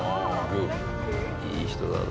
いい人だな。